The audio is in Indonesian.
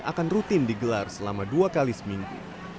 akan rutin digelar selama dua kali seminggu